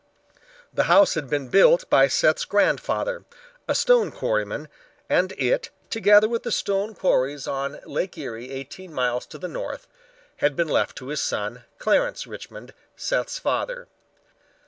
The house had been built by Seth's grandfather, a stone quarryman, and it, together with the stone quarries on Lake Erie eighteen miles to the north, had been left to his son, Clarence Richmond, Seth's father.